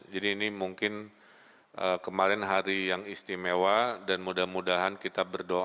jadi ini mungkin kemarin hari yang istimewa dan mudah mudahan kita berdoa